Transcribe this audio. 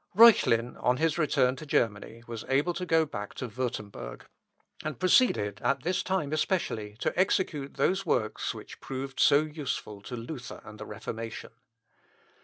Reuchlin, on his return to Germany, was able to go back to Wurtemberg, and proceeded, at this time especially, to execute those works which proved so useful to Luther and the Reformation.